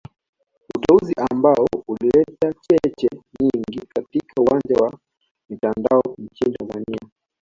Uteuzi ambao ulileta cheche nyingi katika uwanja wa mitandao nchini Tanzania